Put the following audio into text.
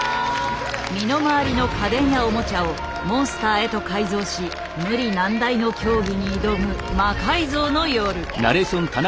身の回りの家電やオモチャをモンスターへと改造し無理難題の競技に挑む「魔改造の夜」。